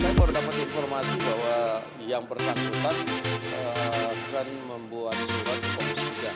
saya baru dapat informasi bahwa yang bersangkutan akan membuat surat komisi tiga